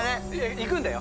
行くんだよ？